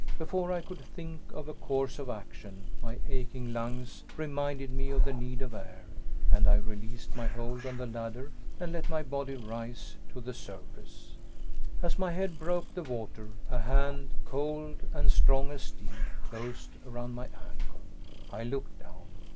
Before I could think of a course of action, my aching lungs reminded me of the need of air, and I released my hold on the ladder and let my body rise to the surface. As my head broke the water, a hand, cold and strong as steel, closed around my ankle. I looked down.